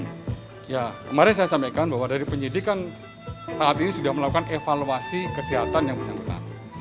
dan ya kemarin saya sampaikan bahwa dari penyidikan saat ini sudah melakukan evaluasi kesehatan yang bisa kita